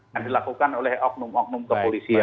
yang dilakukan oleh oknum oknum kepolisian